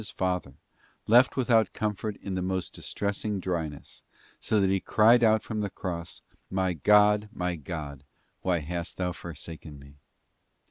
79 His Father, left without comfort in the most distressing dryness, so that He cried out on the cross, 'My God, my God, why hast thou forsaken Me?"